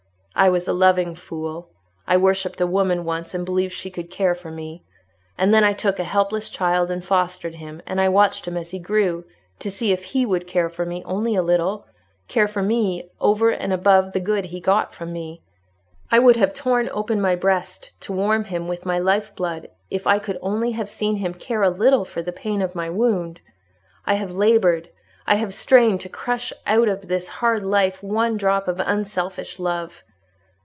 "I was a loving fool—I worshipped a woman once, and believed she could care for me; and then I took a helpless child and fostered him; and I watched him as he grew, to see if he would care for me only a little—care for me over and above the good he got from me. I would have torn open my breast to warm him with my life blood if I could only have seen him care a little for the pain of my wound. I have laboured, I have strained to crush out of this hard life one drop of unselfish love.